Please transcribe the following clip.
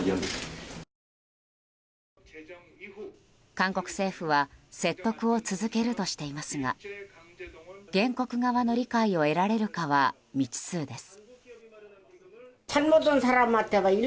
韓国政府は説得を続けるとしていますが原告側の理解を得られるかは未知数です。